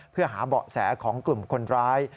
เพื่อหาเบาะแสของกลุ่มคนร้าย